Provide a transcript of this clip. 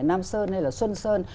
nam sơn hay là xuân sơn